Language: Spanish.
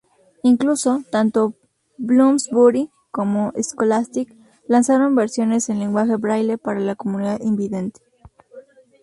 Incluso, tanto Bloomsbury como Scholastic lanzaron versiones en lenguaje braille para la comunidad invidente.